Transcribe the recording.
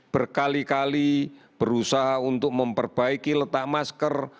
berkali kali berusaha untuk memperbaiki letak masker